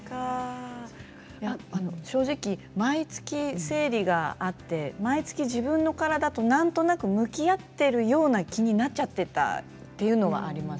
正直、毎月生理があって毎月、自分の体となんとなく向き合っているような気になっていたというのはあります。